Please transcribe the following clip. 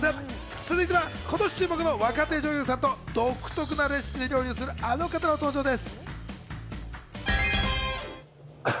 続いては今年注目の若手女優さんと独特なレシピで料理をする、あの方の登場です。